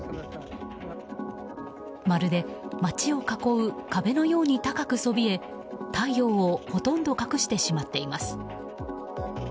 まるで町を囲う壁のように高くそびえ太陽をほとんど隠してしまっています。